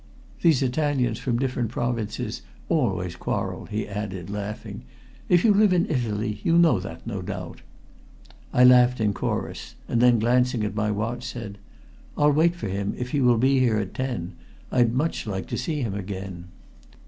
These Italians from different provinces always quarrel," he added, laughing. "If you live in Italy you know that, no doubt." I laughed in chorus, and then glancing at my watch, said: "I'll wait for him, if he will be here at ten. I'd much like to see him again."